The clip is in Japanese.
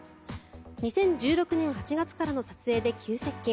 ２０１６年８月からの撮影で急接近。